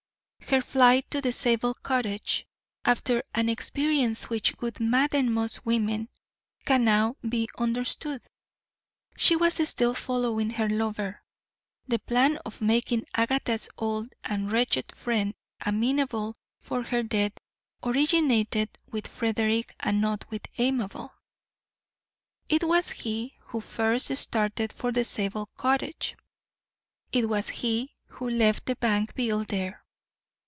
Her flight to the Zabel cottage, after an experience which would madden most women, can now be understood. She was still following her lover. The plan of making Agatha's old and wretched friend amenable for her death originated with Frederick and not with Amabel. It was he who first started for the Zabel cottage. It was he who left the bank bill there.